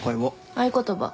合言葉。